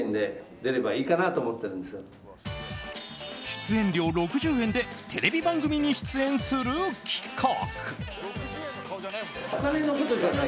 出演料６０円でテレビ番組に出演する企画。